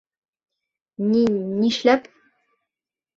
Ни-нишләп?